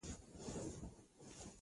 د اسلام د فهم لپاره مرجعیت شرط دی.